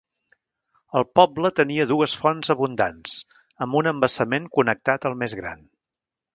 El poble tenia dues fonts abundants, amb un embassament connectat al més gran.